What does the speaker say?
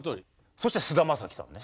そして菅田将暉さんね。